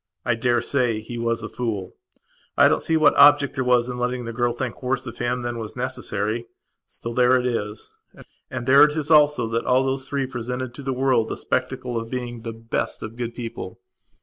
I daresay he was a fool; I don't see what object there was in letting the girl think worse of him than was necessary. Still there it is. And there it is also that all those three presented to the world the spectacle of being the best of good people.